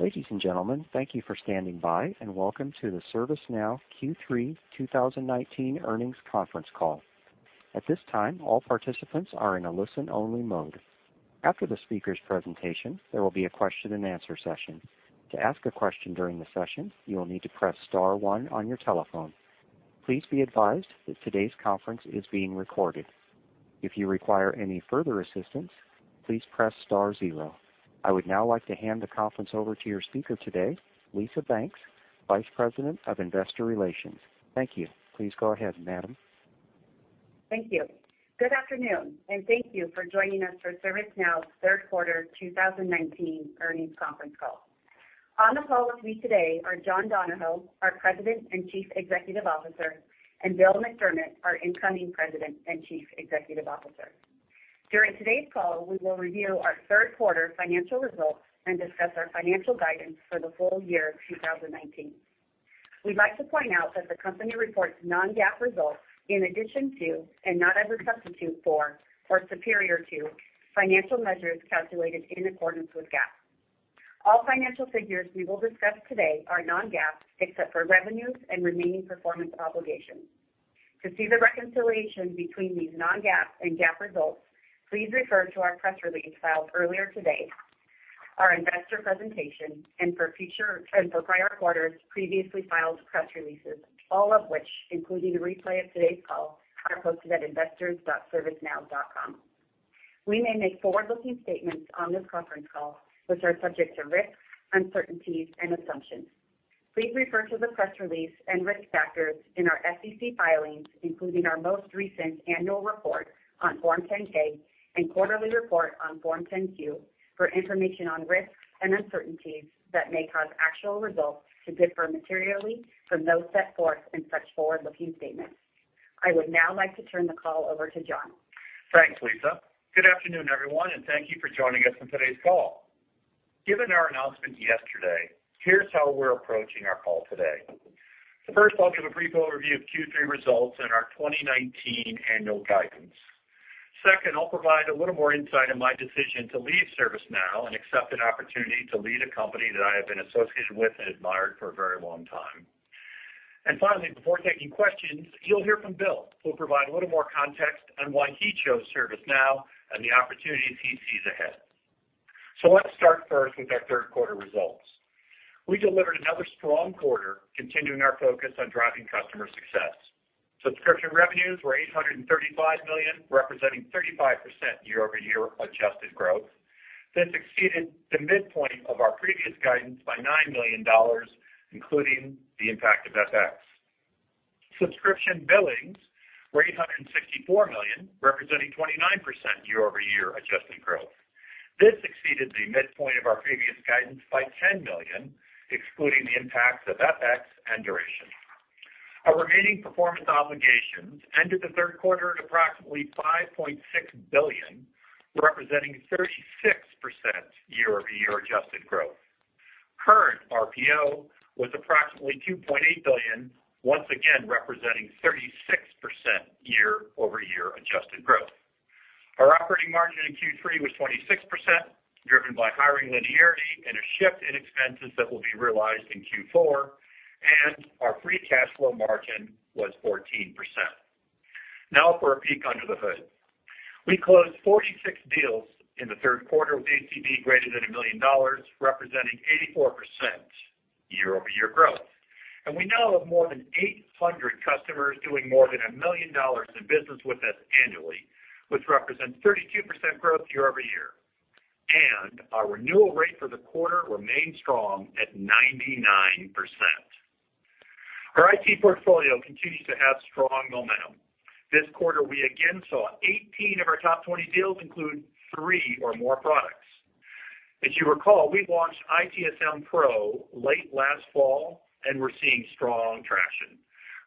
Ladies and gentlemen, thank you for standing by, and welcome to the ServiceNow Q3 2019 earnings conference call. At this time, all participants are in a listen-only mode. After the speaker's presentation, there will be a question and answer session. To ask a question during the session, you will need to press star one on your telephone. Please be advised that today's conference is being recorded. If you require any further assistance, please press star zero. I would now like to hand the conference over to your speaker today, Lisa Banks, Vice President of Investor Relations. Thank you. Please go ahead, madam. Thank you. Good afternoon, and thank you for joining us for ServiceNow's third quarter 2019 earnings conference call. On the call with me today are John Donahoe, our President and Chief Executive Officer, and Bill McDermott, our incoming President and Chief Executive Officer. During today's call, we will review our third quarter financial results and discuss our financial guidance for the full year 2019. We'd like to point out that the company reports non-GAAP results in addition to, and not as a substitute for, or superior to, financial measures calculated in accordance with GAAP. All financial figures we will discuss today are non-GAAP except for revenues and remaining performance obligations. To see the reconciliation between these non-GAAP and GAAP results, please refer to our press release filed earlier today, our investor presentation, and for prior quarters, previously filed press releases, all of which, including the replay of today's call, are posted at investors.servicenow.com. We may make forward-looking statements on this conference call, which are subject to risks, uncertainties, and assumptions. Please refer to the press release and risk factors in our SEC filings, including our most recent annual report on Form 10-K and quarterly report on Form 10-Q, for information on risks and uncertainties that may cause actual results to differ materially from those set forth in such forward-looking statements. I would now like to turn the call over to John. Thanks, Lisa. Good afternoon, everyone, and thank you for joining us on today's call. Given our announcement yesterday, here's how we're approaching our call today. First, I'll give a brief overview of Q3 results and our 2019 annual guidance. Second, I'll provide a little more insight on my decision to leave ServiceNow and accept an opportunity to lead a company that I have been associated with and admired for a very long time. Finally, before taking questions, you'll hear from Bill, who'll provide a little more context on why he chose ServiceNow and the opportunities he sees ahead. Let's start first with our third quarter results. We delivered another strong quarter, continuing our focus on driving customer success. Subscription revenues were $835 million, representing 35% year-over-year adjusted growth. This exceeded the midpoint of our previous guidance by $9 million, including the impact of FX. Subscription billings were $864 million, representing 29% year-over-year adjusted growth. This exceeded the midpoint of our previous guidance by $10 million, excluding the impacts of FX and duration. Our remaining performance obligations ended the third quarter at approximately $5.6 billion, representing 36% year-over-year adjusted growth. Current RPO was approximately $2.8 billion, once again representing 36% year-over-year adjusted growth. Our operating margin in Q3 was 26%, driven by hiring linearity and a shift in expenses that will be realized in Q4, and our free cash flow margin was 14%. Now for a peek under the hood. We closed 46 deals in the third quarter with ACV greater than $1 million, representing 84% year-over-year growth. We now have more than 800 customers doing more than $1 million in business with us annually, which represents 32% growth year-over-year. Our renewal rate for the quarter remained strong at 99%. Our IT portfolio continues to have strong momentum. This quarter, we again saw 18 of our top 20 deals include three or more products. As you recall, we launched ITSM Pro late last fall, and we're seeing strong traction.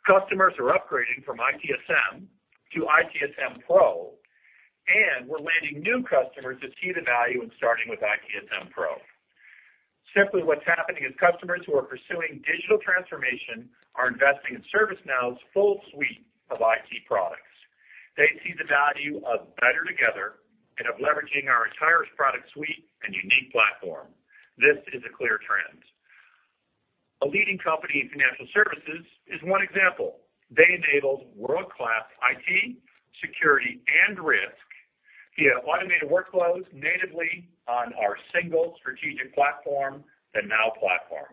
Customers are upgrading from ITSM to ITSM Pro, and we're landing new customers that see the value in starting with ITSM Pro. Simply, what's happening is customers who are pursuing digital transformation are investing in ServiceNow's full suite of IT products. They see the value of better together and of leveraging our entire product suite and unique platform. This is a clear trend. A leading company in financial services is one example. They enabled world-class IT, security, and risk via automated workflows natively on our single strategic platform, the Now Platform.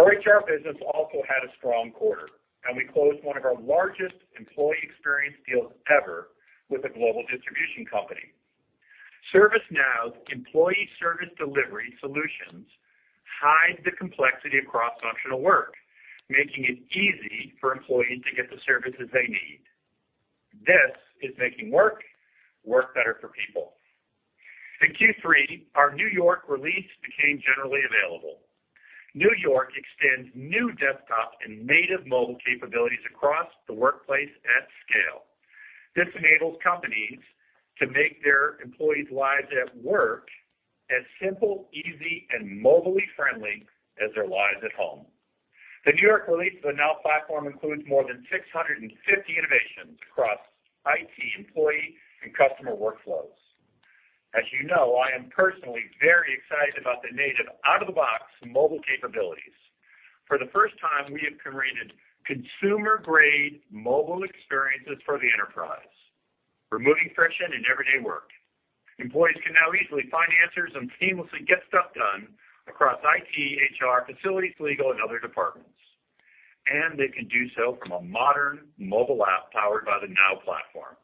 Our HR business also had a strong quarter, and we closed one of our largest employee experience deals ever with a global distribution company. ServiceNow's employee service delivery solutions hide the complexity of cross-functional work, making it easy for employees to get the services they need. This is making work better for people. In Q3, our New York release became generally available. New York extends new desktop and native mobile capabilities across the workplace at scale. This enables companies to make their employees' lives at work as simple, easy, and mobily friendly as their lives at home. The New York release of the Now Platform includes more than 650 innovations across IT, employee, and customer workflows. As you know, I am personally very excited about the native out-of-the-box mobile capabilities. For the first time, we have created consumer-grade mobile experiences for the enterprise, removing friction in everyday work. Employees can now easily find answers and seamlessly get stuff done across IT, HR, facilities, legal, and other departments, and they can do so from a modern mobile app powered by the Now Platform.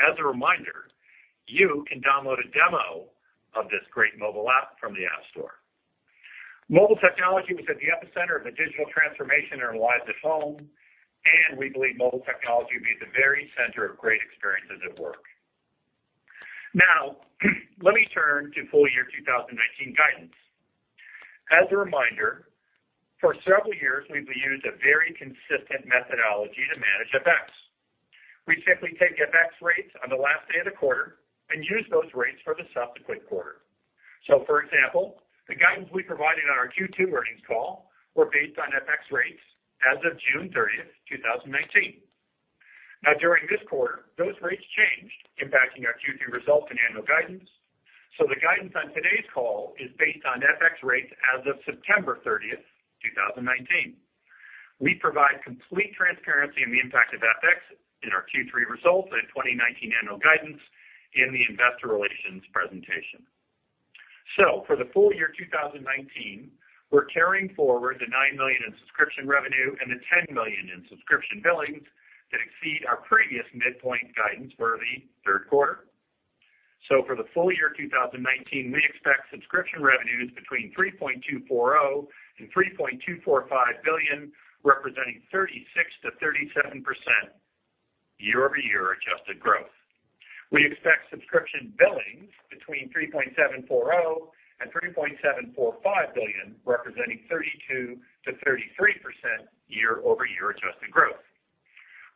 As a reminder, you can download a demo of this great mobile app from the App Store. Mobile technology was at the epicenter of a digital transformation in our lives at home, and we believe mobile technology will be at the very center of great experiences at work. Let me turn to full-year 2019 guidance. As a reminder, for several years, we've used a very consistent methodology to manage FX. We simply take FX rates on the last day of the quarter and use those rates for the subsequent quarter. For example, the guidance we provided on our Q2 earnings call were based on FX rates as of June 30, 2019. During this quarter, those rates changed, impacting our Q2 results and annual guidance. The guidance on today's call is based on FX rates as of September 30th, 2019. We provide complete transparency on the impact of FX in our Q3 results and 2019 annual guidance in the investor relations presentation. For the full year 2019, we're carrying forward the $9 million in subscription revenue and the $10 million in subscription billings that exceed our previous midpoint guidance for the third quarter. For the full year 2019, we expect subscription revenues between $3.240 billion and $3.245 billion, representing 36%-37% year-over-year adjusted growth. We expect subscription billings between $3.740 billion and $3.745 billion, representing 32%-33% year-over-year adjusted growth.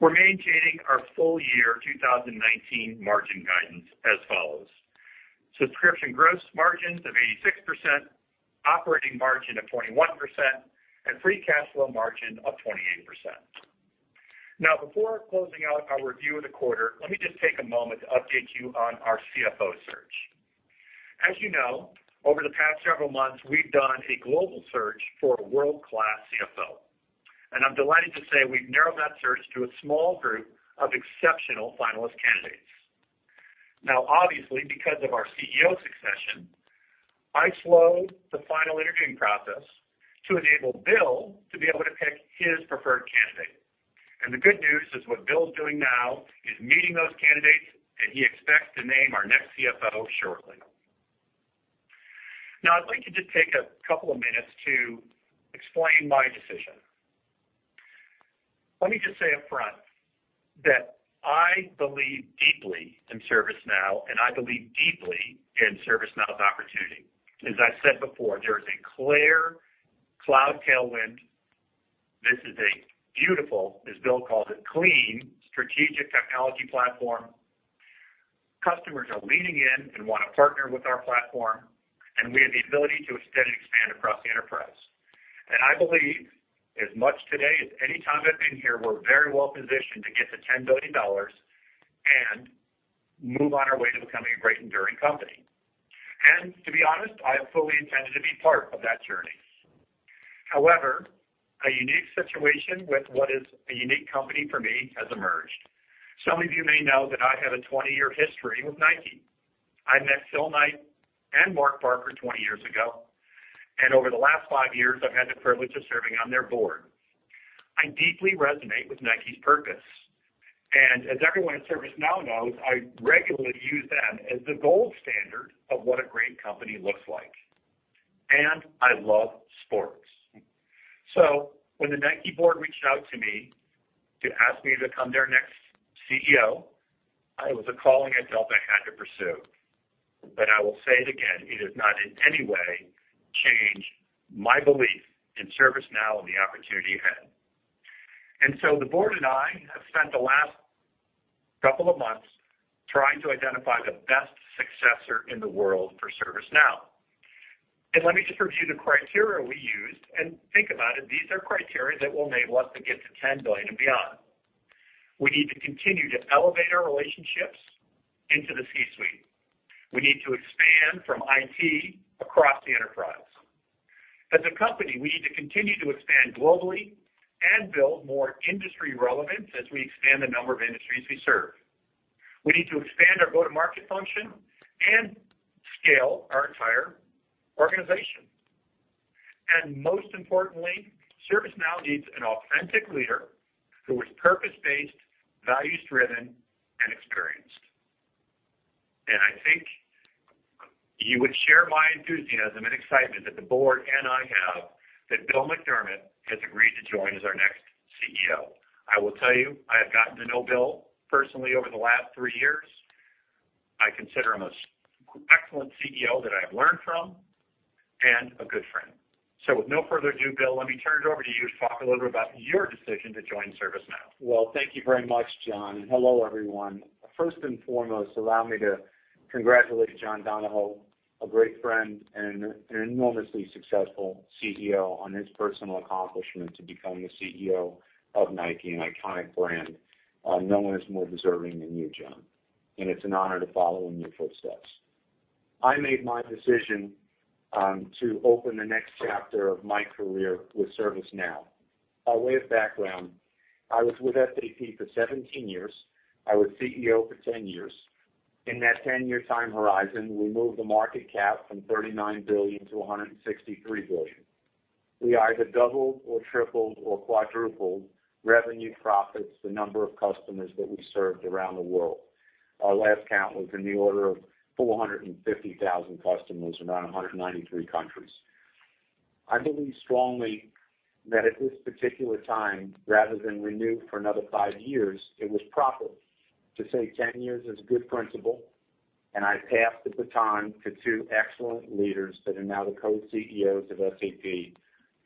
We're maintaining our full year 2019 margin guidance as follows. Subscription gross margins of 86%, operating margin of 21%, and free cash flow margin of 28%. Before closing out our review of the quarter, let me just take a moment to update you on our CFO search. As you know, over the past several months, we've done a global search for a world-class CFO, and I'm delighted to say we've narrowed that search to a small group of exceptional finalist candidates. Obviously, because of our CEO succession, I slowed the final interviewing process to enable Bill to be able to pick his preferred candidate. The good news is what Bill's doing now is meeting those candidates, and he expects to name our next CFO shortly. I'd like to just take a couple of minutes to explain my decision. Let me just say up front that I believe deeply in ServiceNow, and I believe deeply in ServiceNow's opportunity. As I've said before, there is a clear cloud tailwind. This is a beautiful, as Bill calls it, clean strategic technology platform. Customers are leaning in and want to partner with our platform, and we have the ability to extend and expand across the enterprise. I believe as much today as any time I've been here, we're very well positioned to get to $10 billion and move on our way to becoming a great enduring company. To be honest, I have fully intended to be part of that journey. However, a unique situation with what is a unique company for me has emerged. Some of you may know that I have a 20-year history with Nike. I met Phil Knight and Mark Parker 20 years ago, and over the last five years, I've had the privilege of serving on their board. I deeply resonate with Nike's purpose. As everyone at ServiceNow knows, I regularly use them as the gold standard of what a great company looks like. I love sports. When the Nike board reached out to me to ask me to become their next CEO, it was a calling I felt I had to pursue. I will say it again, it has not in any way changed my belief in ServiceNow and the opportunity ahead. So the board and I have spent the last couple of months trying to identify the best successor in the world for ServiceNow. Let me just review the criteria we used, and think about it. These are criteria that will enable us to get to $10 billion and beyond. We need to continue to elevate our relationships into the C-suite. We need to expand from IT across the enterprise. As a company, we need to continue to expand globally and build more industry relevance as we expand the number of industries we serve. We need to expand our go-to-market function and scale our entire organization. Most importantly, ServiceNow needs an authentic leader who is purpose-based, values-driven, and experienced. I think you would share my enthusiasm and excitement that the board and I have that Bill McDermott has agreed to join as our next CEO. I will tell you, I have gotten to know Bill personally over the last three years. I consider him an excellent CEO that I have learned from and a good friend. With no further ado, Bill, let me turn it over to you to talk a little bit about your decision to join ServiceNow. Well, thank you very much, John, and hello everyone. First and foremost, allow me to congratulate John Donahoe, a great friend and an enormously successful CEO, on his personal accomplishment to become the CEO of Nike, an iconic brand. No one is more deserving than you, John, and it's an honor to follow in your footsteps. I made my decision to open the next chapter of my career with ServiceNow. By way of background, I was with SAP for 17 years. I was CEO for 10 years. In that 10-year time horizon, we moved the market cap from $39 billion to $163 billion. We either doubled or tripled or quadrupled revenue profits, the number of customers that we served around the world. Our last count was in the order of 450,000 customers around 193 countries. I believe strongly that at this particular time, rather than renew for another 5 years, it was proper to say 10 years is good principle, and I passed the baton to two excellent leaders that are now the co-CEOs of SAP,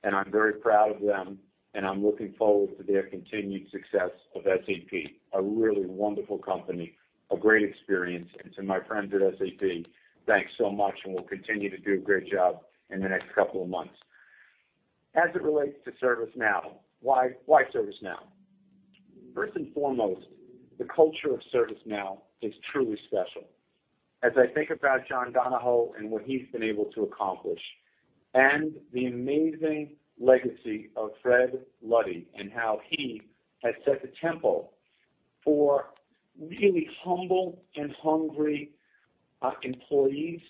and I'm very proud of them, and I'm looking forward to their continued success of SAP, a really wonderful company, a great experience. To my friends at SAP, thanks so much, and we'll continue to do a great job in the next couple of months. As it relates to ServiceNow, why ServiceNow? First and foremost, the culture of ServiceNow is truly special. As I think about John Donahoe and what he's been able to accomplish and the amazing legacy of Fred Luddy and how he has set the tempo for really humble and hungry employees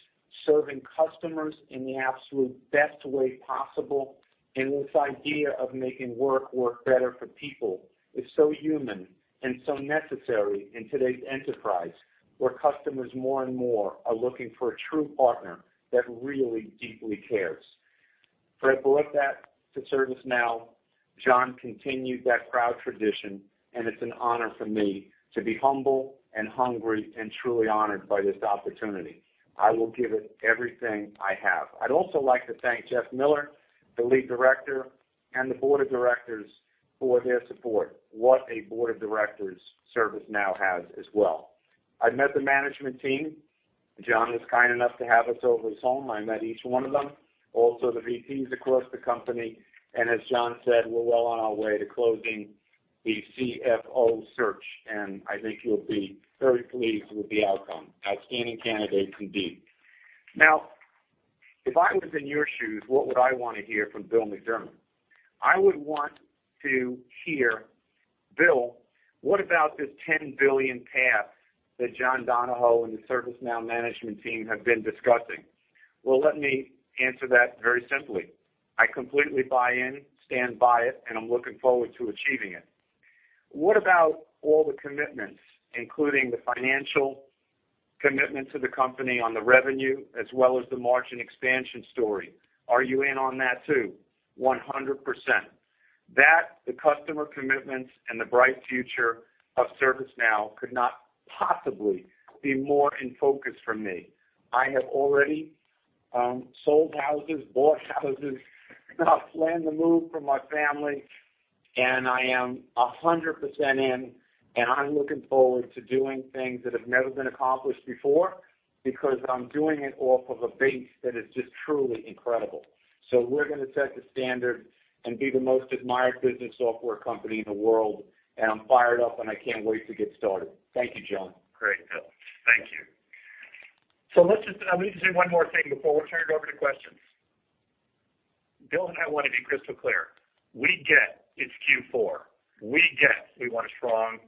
serving customers in the absolute best way possible, and this idea of making work better for people is so human and so necessary in today's enterprise, where customers more and more are looking for a true partner that really deeply cares. Fred brought that to ServiceNow. John continued that proud tradition, and it's an honor for me to be humble and hungry and truly honored by this opportunity. I will give it everything I have. I'd also like to thank Jeff Miller, the lead director, and the board of directors for their support. What a board of directors ServiceNow has as well. I've met the management team. John was kind enough to have us over his home. I met each one of them, also the VPs across the company. As John said, we're well on our way to closing the CFO search, and I think you'll be very pleased with the outcome, outstanding candidate indeed. If I was in your shoes, what would I want to hear from Bill McDermott? I would want to hear, "Bill, what about this $10 billion path that John Donahoe and the ServiceNow management team have been discussing?" Let me answer that very simply. I completely buy in, stand by it, and I'm looking forward to achieving it. What about all the commitments, including the financial commitment to the company on the revenue as well as the margin expansion story? Are you in on that too? 100%. The customer commitments, and the bright future of ServiceNow could not possibly be more in focus for me. I have already sold houses, bought houses, and I've planned the move for my family, and I am 100% in, and I'm looking forward to doing things that have never been accomplished before because I'm doing it off of a base that is just truly incredible. We're going to set the standard and be the most admired business software company in the world, and I'm fired up, and I can't wait to get started. Thank you, John. Great, Bill. Thank you. I need to say one more thing before we turn it over to questions. Bill and I want to be crystal clear. We get it's Q4. We get we want a strong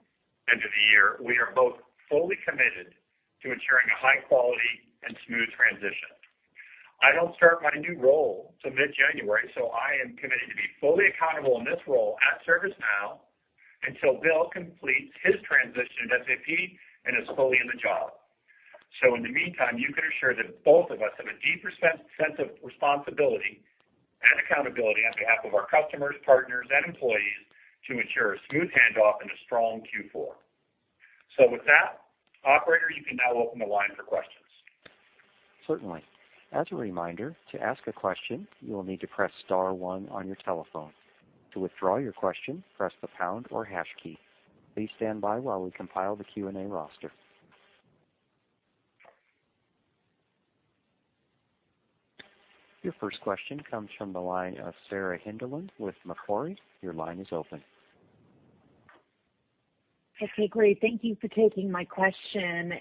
end of the year. We are both fully committed to ensuring a high-quality and smooth transition. I don't start my new role till mid-January, so I am committed to be fully accountable in this role at ServiceNow until Bill completes his transition at SAP and is fully in the job. In the meantime, you can assure that both of us have a deep sense of responsibility and accountability on behalf of our customers, partners, and employees to ensure a smooth handoff and a strong Q4. With that, operator, you can now open the line for questions. Certainly. As a reminder, to ask a question, you will need to press star one on your telephone. To withdraw your question, press the pound or hash key. Please stand by while we compile the Q&A roster. Your first question comes from the line of Sarah Hindlian with Macquarie. Your line is open. Okay, great. Thank you for taking my question.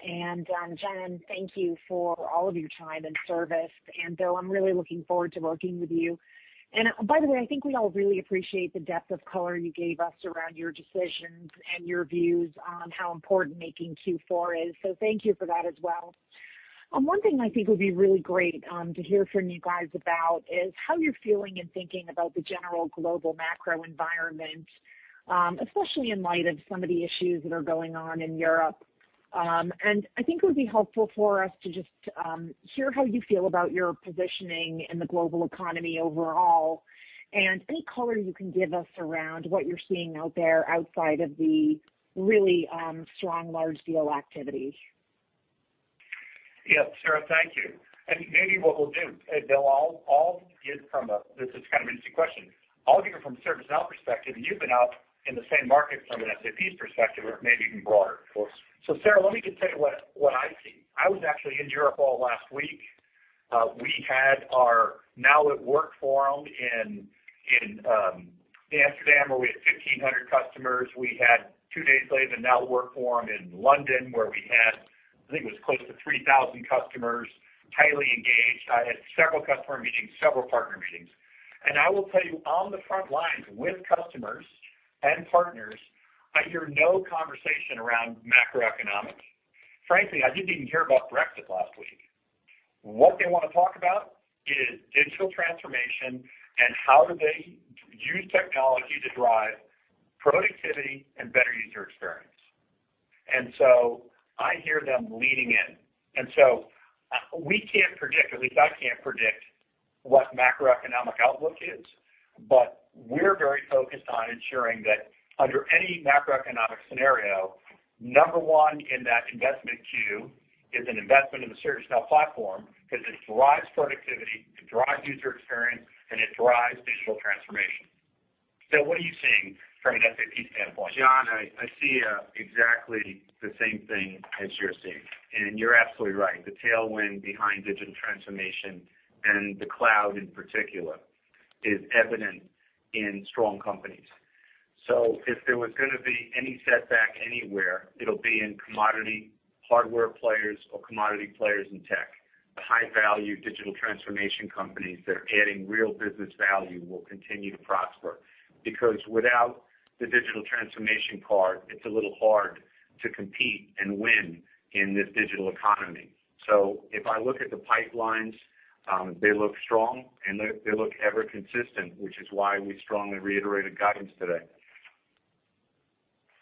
John, thank you for all of your time and service. Bill, I'm really looking forward to working with you. By the way, I think we all really appreciate the depth of color you gave us around your decisions and your views on how important making Q4 is, so thank you for that as well. One thing I think would be really great to hear from you guys about is how you're feeling and thinking about the general global macro environment, especially in light of some of the issues that are going on in Europe. I think it would be helpful for us to just hear how you feel about your positioning in the global economy overall, and any color you can give us around what you're seeing out there outside of the really strong large deal activity. Yeah, Sarah, thank you. Maybe what we'll do, Bill, this is kind of an interesting question. I'll give it from a ServiceNow perspective, and you've been out in the same market from an SAP perspective, or maybe even broader. Of course. Sarah, let me just tell you what I see. I was actually in Europe all last week. We had our Now at Work forum in Amsterdam, where we had 1,500 customers. We had two days later, the Now at Work forum in London, where we had, I think it was close to 3,000 customers, highly engaged. I had several customer meetings, several partner meetings. I will tell you, on the front lines with customers and partners, I hear no conversation around macroeconomics. Frankly, I didn't even hear about Brexit last week. What they want to talk about is digital transformation and how do they use technology to drive productivity and better user experience. I hear them leaning in. We can't predict, at least I can't predict what macroeconomic outlook is, but we're very focused on ensuring that under any macroeconomic scenario, number one in that investment queue is an investment in the ServiceNow Platform because it drives productivity, it drives user experience, and it drives digital transformation. What are you seeing from an SAP standpoint? John, I see exactly the same thing as you're seeing, and you're absolutely right. The tailwind behind digital transformation and the cloud in particular is evident in strong companies. If there was going to be any setback anywhere, it'll be in commodity hardware players or commodity players in tech. The high-value digital transformation companies that are adding real business value will continue to prosper because without the digital transformation part, it's a little hard to compete and win in this digital economy. If I look at the pipelines, they look strong, and they look ever consistent, which is why we strongly reiterated guidance today.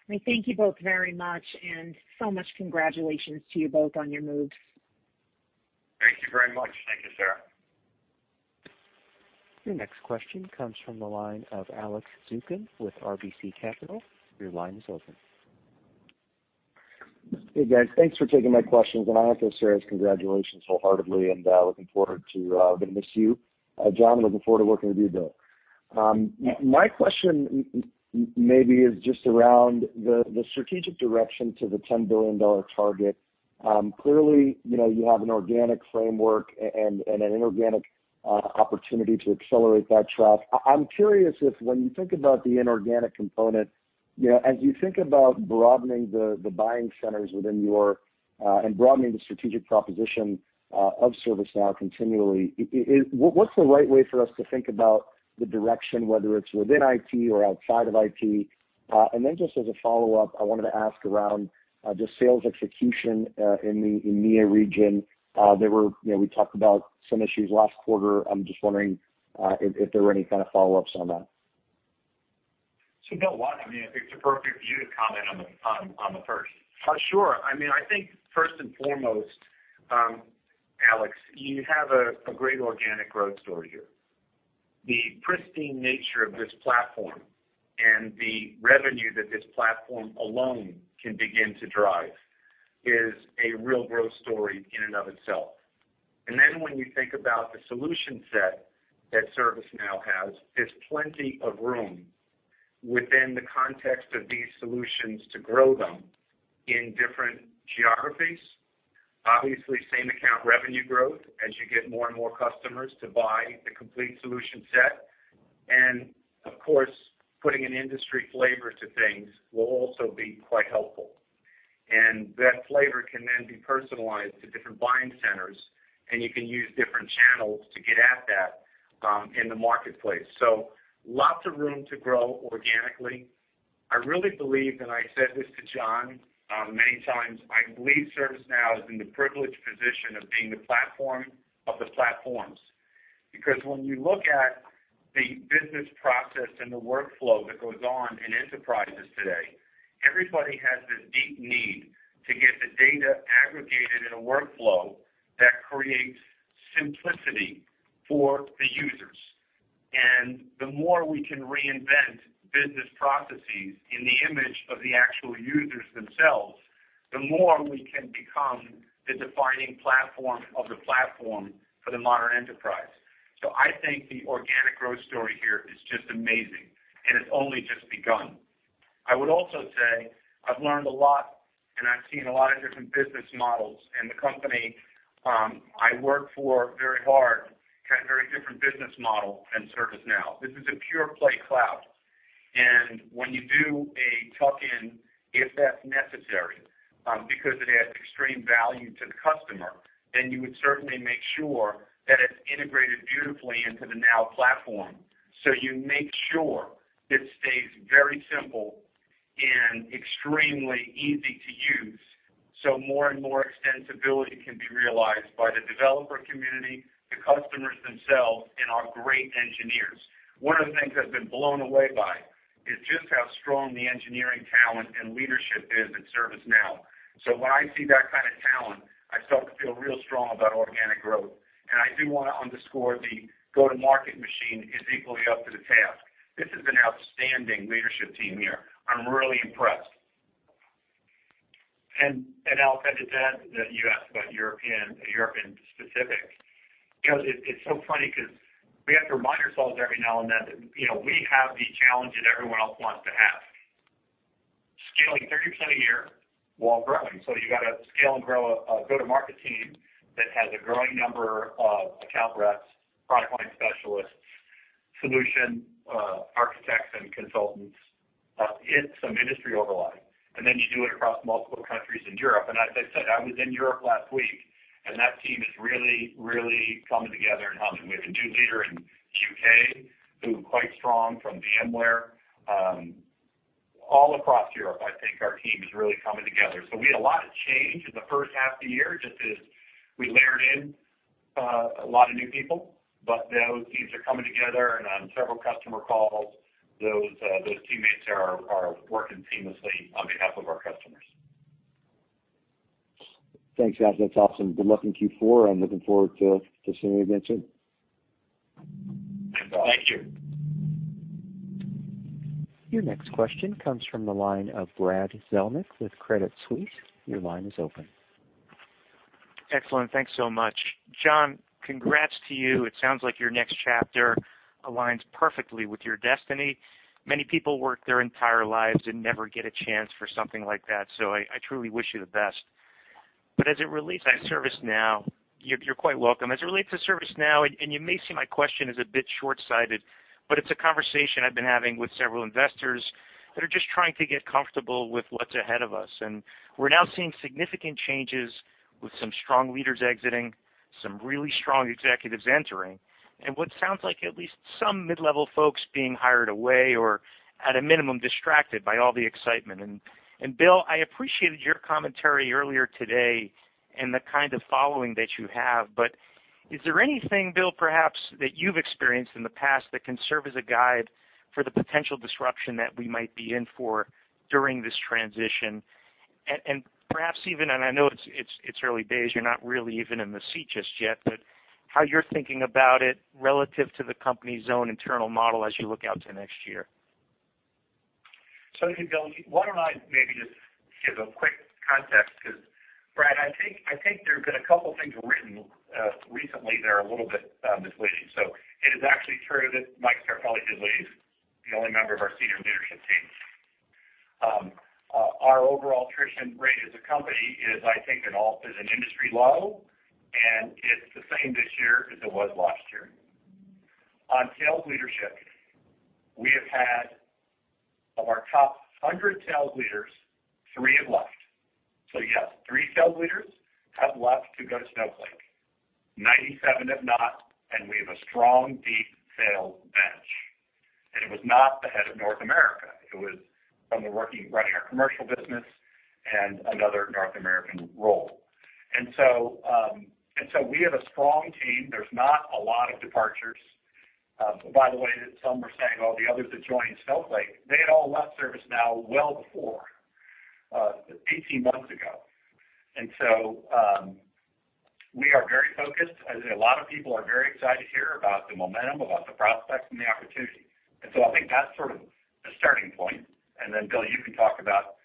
I thank you both very much, and so much congratulations to you both on your moves. Thank you very much. Thank you, Sarah. Your next question comes from the line of Alex Zukin with RBC Capital. Your line is open. Hey, guys. Thanks for taking my questions. I echo Sarah's congratulations wholeheartedly, going to miss you, John, and looking forward to working with you, Bill. My question maybe is just around the strategic direction to the $10 billion target. Clearly, you have an organic framework and an inorganic opportunity to accelerate that trough. I'm curious if when you think about the inorganic component, as you think about broadening the buying centers and broadening the strategic proposition of ServiceNow continually, what's the right way for us to think about the direction, whether it's within IT or outside of IT? Just as a follow-up, I wanted to ask around just sales execution in the EMEA region. We talked about some issues last quarter. I'm just wondering if there were any kind of follow-ups on that. Bill, I mean, I think it's perfect for you to comment on the first. Sure. I think first and foremost, Alex, you have a great organic growth story here. The pristine nature of this platform and the revenue that this platform alone can begin to drive is a real growth story in and of itself. When you think about the solution set that ServiceNow has, there's plenty of room within the context of these solutions to grow them in different geographies. Obviously, same account revenue growth as you get more and more customers to buy the complete solution set. Of course, putting an industry flavor to things will also be quite helpful. That flavor can then be personalized to different buying centers, and you can use different channels to get at that in the marketplace. Lots of room to grow organically. I really believe, and I said this to John many times, I believe ServiceNow is in the privileged position of being the platform of the platforms. When you look at the business process and the workflow that goes on in enterprises today, everybody has this deep need to get the data aggregated in a workflow that creates simplicity for the users. The more we can reinvent business processes in the image of the actual users themselves, the more we can become the defining platform of the platform for the modern enterprise. I think the organic growth story here is just amazing, and it's only just begun. I would also say I've learned a lot, and I've seen a lot of different business models, and the company I work for very hard had a very different business model than ServiceNow. This is a pure play cloud. When you do a tuck-in, if that's necessary, because it adds extreme value to the customer, then you would certainly make sure that it's integrated beautifully into the Now Platform. You make sure it stays very simple and extremely easy to use so more and more extensibility can be realized by the developer community, the customers themselves, and our great engineers. One of the things I've been blown away by is just how strong the engineering talent and leadership is at ServiceNow. When I see that kind of talent, I start to feel real strong about organic growth. I do want to underscore the go-to-market machine is equally up to the task. This is an outstanding leadership team here. I'm really impressed. Alex, to add, that you asked about European specifics. It's so funny because we have to remind ourselves every now and then that we have the challenge that everyone else wants to have. Scaling 30% a year while growing. You've got to scale and grow a go-to-market team that has a growing number of account reps, product line specialists, solution architects, and consultants in some industry overlay. You do it across multiple countries in Europe. As I said, I was in Europe last week, and that team is really coming together and humming. We have a new leader in U.K. who is quite strong from VMware. All across Europe, I think our team is really coming together. We had a lot of change in the first half of the year, just as we layered in a lot of new people. Those teams are coming together and on several customer calls, those teammates are working seamlessly on behalf of our customers. Thanks, guys. That's awesome. Good luck in Q4. I'm looking forward to seeing you, Vincent. Thank you. Your next question comes from the line of Brad Zelnick with Credit Suisse. Your line is open. Excellent. Thanks so much. John, congrats to you. It sounds like your next chapter aligns perfectly with your destiny. Many people work their entire lives and never get a chance for something like that. I truly wish you the best. As it relates to ServiceNow, you're quite welcome. As it relates to ServiceNow, you may see my question as a bit short-sighted. It's a conversation I've been having with several investors that are just trying to get comfortable with what's ahead of us. We're now seeing significant changes with some strong leaders exiting, some really strong executives entering, and what sounds like at least some mid-level folks being hired away or at a minimum distracted by all the excitement. Bill, I appreciated your commentary earlier today and the kind of following that you have. Is there anything, Bill, perhaps that you've experienced in the past that can serve as a guide for the potential disruption that we might be in for during this transition? Perhaps even, and I know it's early days, you're not really even in the seat just yet, but how you're thinking about it relative to the company's own internal model as you look out to next year. I think, Bill, why don't I maybe just give a quick context, because Brad, I think there have been a couple of things written recently that are a little bit misleading. It is actually true that Mike Scarpelli did leave, the only member of our senior leadership team. Our overall attrition rate as a company is, I think at an industry low, and it's the same this year as it was last year. On sales leadership, we have had, of our top 100 sales leaders, three have left. Yes, three sales leaders have left to go to Snowflake. 97 have not, and we have a strong, deep sales bench. It was not the head of North America. It was someone running our commercial business and another North American role. We have a strong team. There's not a lot of departures. By the way that some were saying, oh, the others that joined Snowflake, they had all left ServiceNow well before 18 months ago. We are very focused. As I say, a lot of people are very excited here about the momentum, about the prospects, and the opportunity. I think that's sort of the starting point. Bill, you can talk about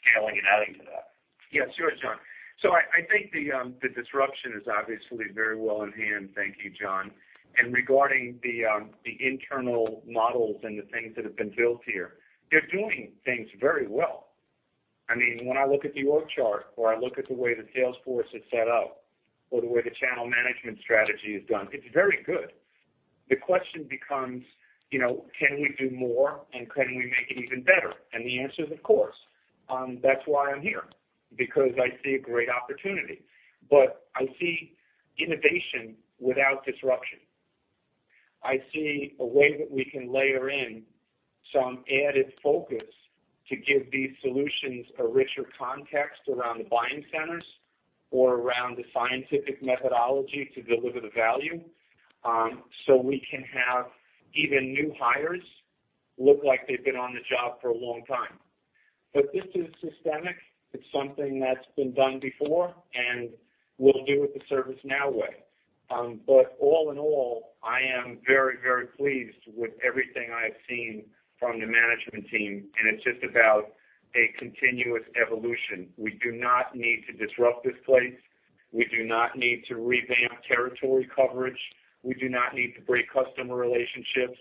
scaling and adding to that. Yeah, sure, John. I think the disruption is obviously very well in hand, thank you, John. Regarding the internal models and the things that have been built here, they're doing things very well. When I look at the org chart or I look at the way the sales force is set up or the way the channel management strategy is done, it's very good. The question becomes, can we do more and can we make it even better? The answer is, of course. That's why I'm here, because I see a great opportunity. I see innovation without disruption. I see a way that we can layer in some added focus to give these solutions a richer context around the buying centers or around the scientific methodology to deliver the value, so we can have even new hires look like they've been on the job for a long time. This is systemic. It's something that's been done before, and we'll do it the ServiceNow way. All in all, I am very pleased with everything I have seen from the management team, and it's just about a continuous evolution. We do not need to disrupt this place. We do not need to revamp territory coverage. We do not need to break customer relationships.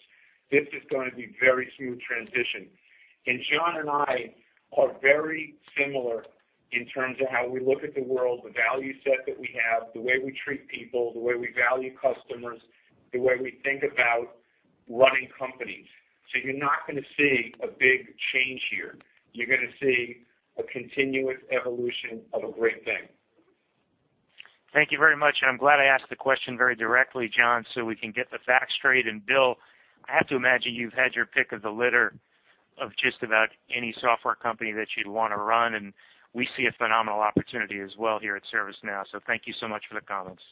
This is going to be very smooth transition. John and I are very similar in terms of how we look at the world, the value set that we have, the way we treat people, the way we value customers, the way we think about running companies. You're not going to see a big change here. You're going to see a continuous evolution of a great thing. Thank you very much. I'm glad I asked the question very directly, John, so we can get the facts straight. Bill, I have to imagine you've had your pick of the litter of just about any software company that you'd want to run, and we see a phenomenal opportunity as well here at ServiceNow. Thank you so much for the comments.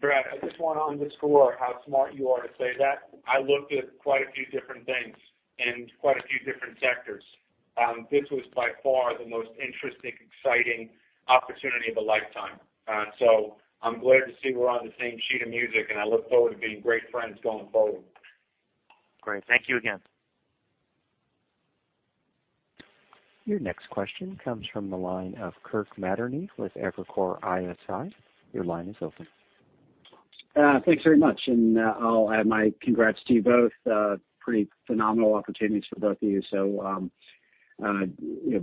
Brad, I just want to underscore how smart you are to say that. I looked at quite a few different things in quite a few different sectors. This was by far the most interesting, exciting opportunity of a lifetime. I'm glad to see we're on the same sheet of music, and I look forward to being great friends going forward. Great. Thank you again. Your next question comes from the line of Kirk Materne with Evercore ISI. Your line is open. Thanks very much. I'll add my congrats to you both. Pretty phenomenal opportunities for both of you. So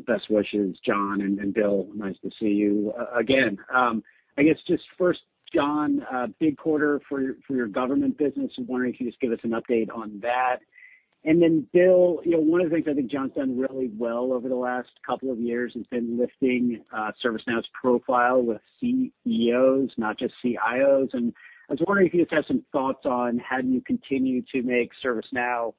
best wishes, John, and Bill, nice to see you again. I guess just first, John, big quarter for your government business. I was wondering if you could just give us an update on that. Bill, one of the things I think John's done really well over the last couple of years has been lifting ServiceNow's profile with CEOs, not just CIOs. I was wondering if you just have some thoughts on how do you continue to make ServiceNow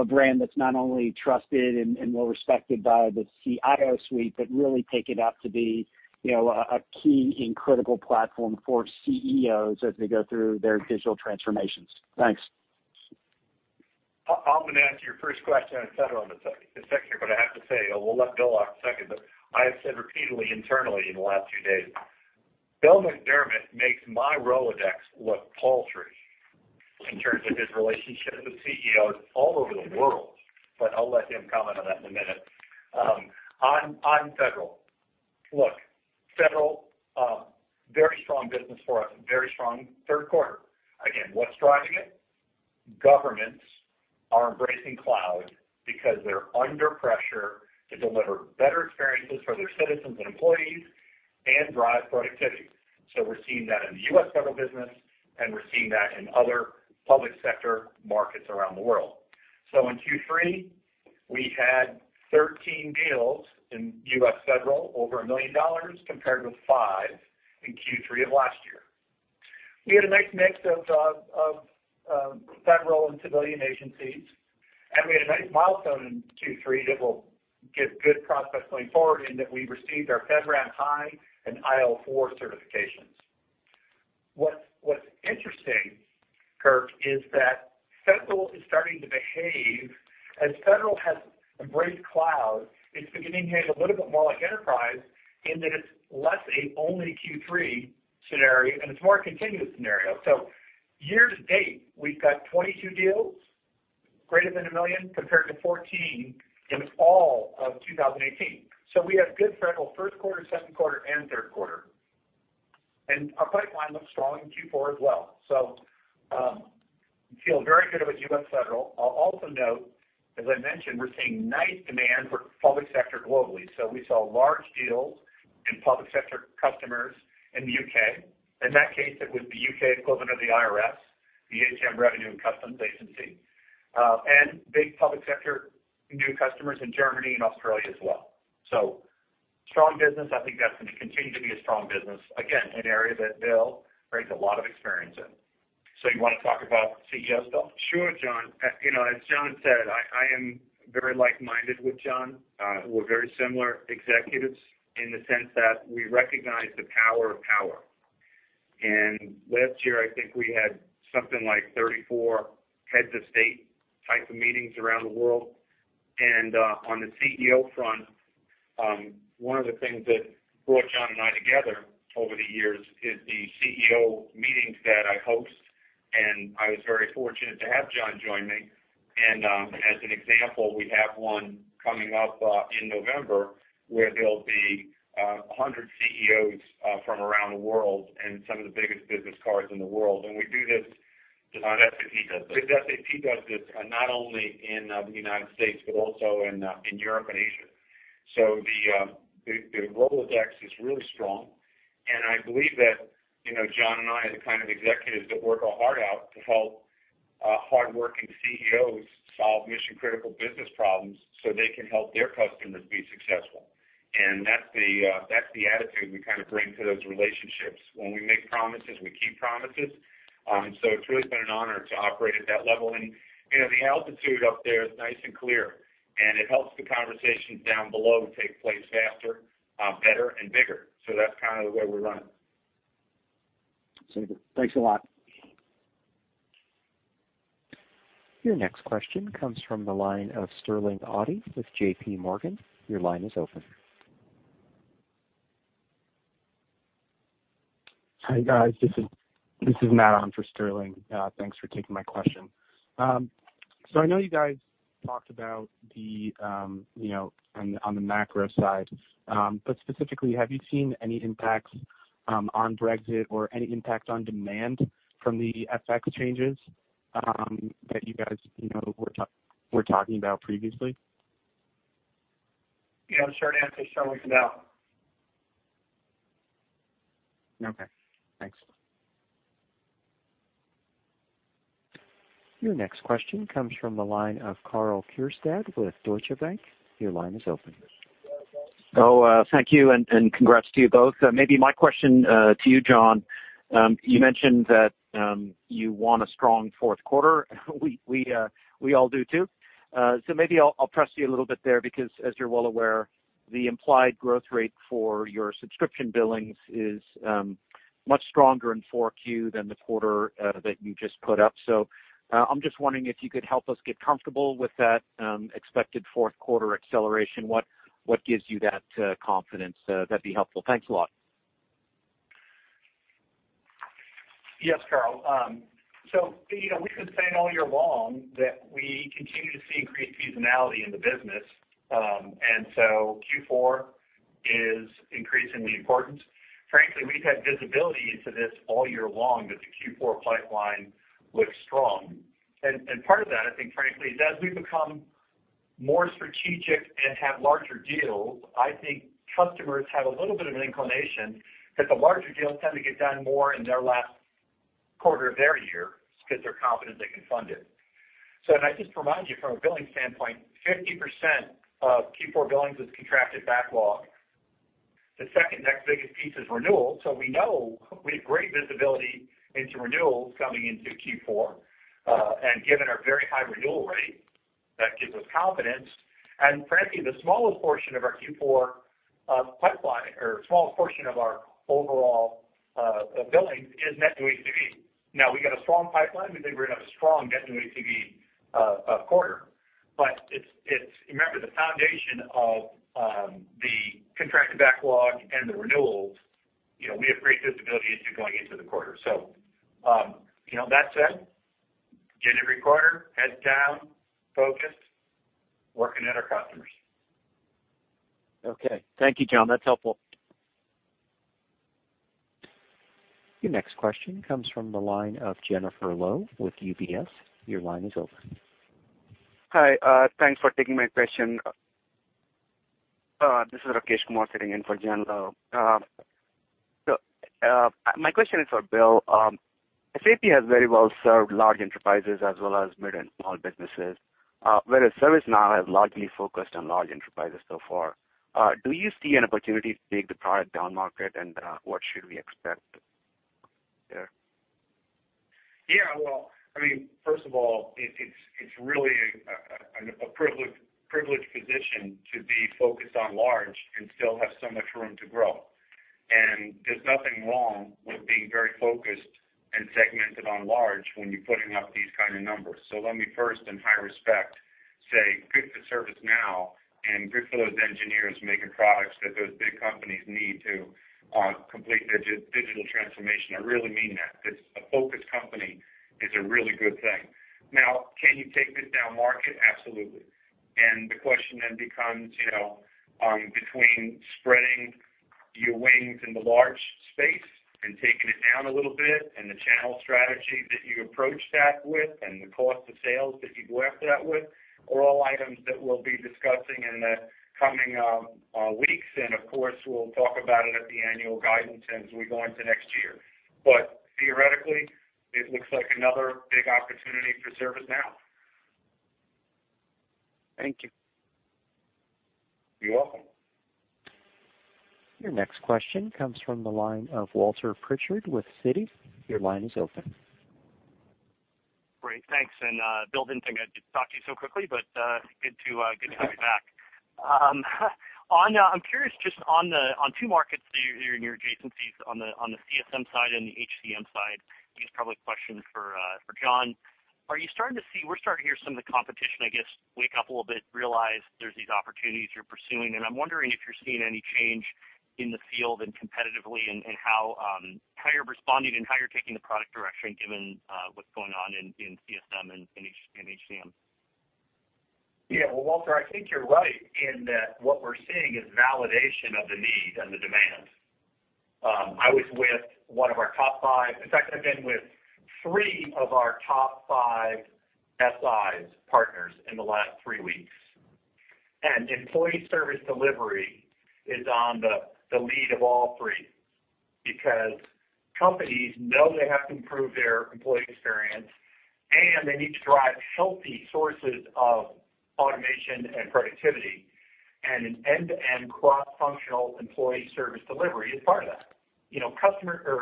a brand that's not only trusted and well-respected by the CIO suite, but really take it up to be a key and critical platform for CEOs as they go through their digital transformations. Thanks. I'm going to answer your first question on federal, but I have to say, we'll let Bill McDermott off second, but I have said repeatedly internally in the last few days, Bill McDermott makes my Rolodex look paltry in terms of his relationships with CEOs all over the world. I'll let him comment on that in a minute. On federal. Look, federal, very strong business for us. Very strong third quarter. Again, what's driving it? Governments are embracing cloud because they're under pressure to deliver better experiences for their citizens and employees and drive productivity. We're seeing that in the U.S. federal business, and we're seeing that in other public sector markets around the world. In Q3, we had 13 deals in U.S. federal over $1 million, compared with five in Q3 of last year. We had a nice mix of federal and civilian agencies, and we had a nice milestone in Q3 that will give good prospects going forward in that we received our FedRAMP High and IL4 certifications. What's interesting, Kirk, is that federal is starting to behave, as federal has embraced cloud, it's beginning to behave a little bit more like enterprise in that it's less a only Q3 scenario, and it's more a continuous scenario. Year to date, we've got 22 deals greater than $1 million, compared to 14 in all of 2018. We have good federal first quarter, second quarter, and third quarter. Our pipeline looks strong in Q4 as well. We feel very good about U.S. federal. I'll also note, as I mentioned, we're seeing nice demand for public sector globally. We saw large deals in public sector customers in the U.K. In that case, it was the U.K. equivalent of the IRS, the HM Revenue and Customs agency, and big public sector new customers in Germany and Australia as well. Strong business. I think that's going to continue to be a strong business. Again, an area that Bill brings a lot of experience in. You want to talk about CEOs, Bill? Sure, John. As John said, I am very like-minded with John. We're very similar executives in the sense that we recognize the power of power. Last year, I think we had something like 34 heads of state type of meetings around the world. On the CEO front, one of the things that brought John and I together over the years is the CEO meetings that I host, and I was very fortunate to have John join me. As an example, we have one coming up in November where there'll be 100 CEOs from around the world and some of the biggest business cards in the world. We do this. SAP does this. SAP does this not only in the U.S. but also in Europe and Asia. The Rolodex is really strong, and I believe that John and I are the kind of executives that work our heart out to help hardworking CEOs solve mission-critical business problems so they can help their customers be successful. That's the attitude we bring to those relationships. When we make promises, we keep promises. It's really been an honor to operate at that level, and the altitude up there is nice and clear, and it helps the conversations down below take place faster, better, and bigger. That's the way we run. Sounds good. Thanks a lot. Your next question comes from the line of Sterling Auty with JPMorgan. Your line is open. Hi, guys. This is Matt on for Sterling. Thanks for taking my question. I know you guys talked about on the macro side, but specifically, have you seen any impacts on Brexit or any impact on demand from the FX changes that you guys were talking about previously? Yeah, the short answer is no, we've not. Okay, thanks. Your next question comes from the lineof Karl Keirstead with Deutsche Bank. Your line is open. Oh, thank you, and congrats to you both. Maybe my question to you, John. You mentioned that you want a strong fourth quarter. We all do, too. Maybe I'll press you a little bit there because, as you're well aware, the implied growth rate for your subscription billings is much stronger in 4Q than the quarter that you just put up. I'm just wondering if you could help us get comfortable with that expected fourth quarter acceleration. What gives you that confidence? That'd be helpful. Thanks a lot. Yes, Karl. We've been saying all year long that we continue to see increased seasonality in the business. So Q4 is increasingly important. Frankly, we've had visibility into this all year long, that the Q4 pipeline looks strong. Part of that, I think, frankly is as we become more strategic and have larger deals, I think customers have a little bit of an inclination that the larger deals tend to get done more in their last quarter of their year because they're confident they can fund it. I just remind you, from a billing standpoint, 50% of Q4 billings is contracted backlog. The second next biggest piece is renewal. We know we have great visibility into renewals coming into Q4. Given our very high renewal rate, that gives us confidence. Frankly, the smallest portion of our Q4 pipeline, or smallest portion of our overall billings is net new ACV. Now, we got a strong pipeline. We think we're going to have a strong net new ACV quarter. Remember, the foundation of the contracted backlog and the renewals, we have great visibility into going into the quarter. That said, getting every quarter, heads down, focused, working at our customers. Okay. Thank you, John. That's helpful. Your next question comes from the line of Jennifer Lowe with UBS. Your line is open. Hi, thanks for taking my question. This is Rakesh Kumar sitting in for Jen Lowe. My question is for Bill. SAP has very well served large enterprises as well as mid and small businesses, whereas ServiceNow has largely focused on large enterprises so far. Do you see an opportunity to take the product down market? What should we expect there? Yeah. Well, first of all, it's really a privileged position to be focused on large and still have so much room to grow. There's nothing wrong with being very focused and segmented on large when you're putting up these kind of numbers. Let me first, in high respect, say good for ServiceNow, and good for those engineers making products that those big companies need to complete their digital transformation. I really mean that. A focused company is a really good thing. Now, can you take this down market? Absolutely. The question then becomes, between spreading your wings in the large space, and taking it down a little bit, and the channel strategy that you approach that with, and the cost of sales that you go after that with, are all items that we'll be discussing in the coming weeks. Of course, we'll talk about it at the annual guidance as we go into next year. Theoretically, it looks like another big opportunity for ServiceNow. Thank you. You're welcome. Your next question comes from the line of Walter Pritchard with Citi. Your line is open. Great, thanks. Bill, didn't think I'd talk to you so quickly, but good to have you back. I'm curious just on two markets, your adjacencies on the CSM side and the HCM side. I guess probably a question for John. We're starting to hear some of the competition, I guess, wake up a little bit, realize there's these opportunities you're pursuing, and I'm wondering if you're seeing any change in the field and competitively, and how you're responding and how you're taking the product direction given what's going on in CSM and in HCM. Well, Walter, I think you're right in that what we're seeing is validation of the need and the demand. I've been with three of our top five SIs partners in the last three weeks. Employee service delivery is on the lead of all three, because companies know they have to improve their employee experience, and they need to drive healthy sources of automation and productivity. An end-to-end cross-functional employee service delivery is part of that.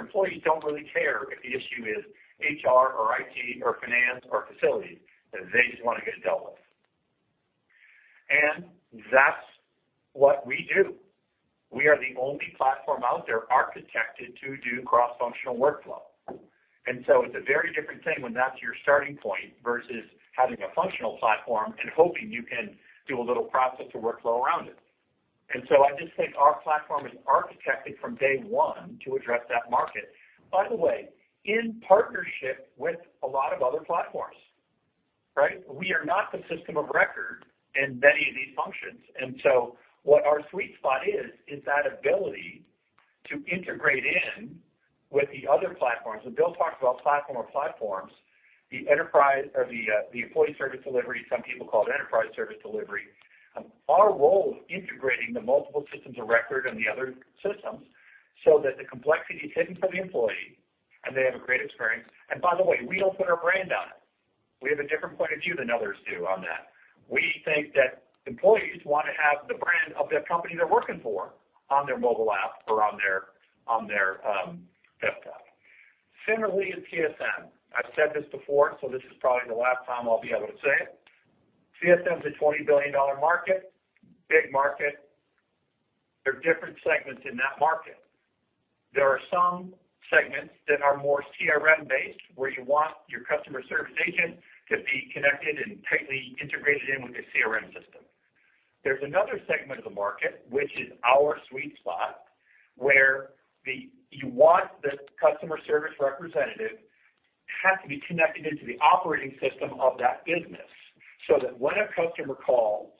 Employees don't really care if the issue is HR or IT or finance or facilities. They just want to get it dealt with. That's what we do. We are the only platform out there architected to do cross-functional workflow. It's a very different thing when that's your starting point versus having a functional platform and hoping you can do a little process or workflow around it. I just think our platform is architected from day one to address that market. By the way, in partnership with a lot of other platforms, right? We are not the system of record in many of these functions. What our sweet spot is that ability to integrate in with the other platforms. When Bill talks about platform of platforms, the employee service delivery, some people call it enterprise service delivery. Our role is integrating the multiple systems of record and the other systems so that the complexity is hidden from the employee, and they have a great experience. By the way, we don't put our brand on it. We have a different point of view than others do on that. We think that employees want to have the brand of the company they're working for on their mobile app or on their platform. Similarly, in ITSM. I've said this before, so this is probably the last time I'll be able to say it. ITSM's a $20 billion market, big market. There are different segments in that market. There are some segments that are more CRM-based, where you want your customer service agent to be connected and tightly integrated in with the CRM system. There's another segment of the market, which is our sweet spot, where you want the customer service representative to have to be connected into the operating system of that business, so that when a customer calls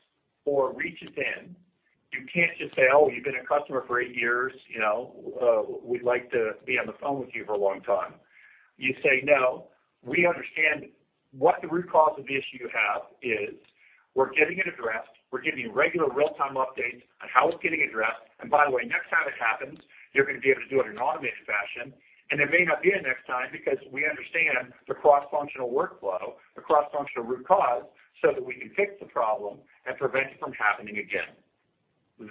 or reaches in, you can't just say, "Oh, you've been a customer for eight years. We'd like to be on the phone with you for a long time." You say, "No, we understand what the root cause of the issue you have is. We're getting it addressed. We're giving you regular real-time updates on how it's getting addressed. By the way, next time it happens, you're going to be able to do it in an automated fashion, and there may not be a next time, because we understand the cross-functional workflow, the cross-functional root cause, so that we can fix the problem and prevent it from happening again."